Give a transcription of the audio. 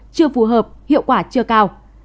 chưa phù hợp hiệu quả chưa cao